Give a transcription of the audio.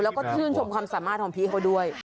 แล้วก็ชื่นชมความสามารถของพี่เขาด้วย